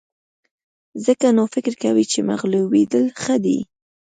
ځکه نو فکر کوئ چې مغلوبېدل ښه دي.